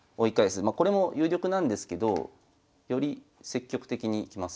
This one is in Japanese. まあこれも有力なんですけどより積極的にいきます。